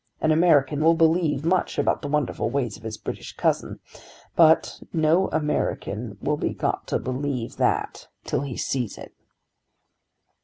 An American will believe much about the wonderful ways of his British cousin, but no American will be got to believe that till he sees it."